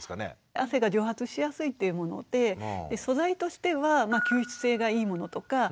汗が蒸発しやすいっていうもので素材としては吸湿性がいいものとか。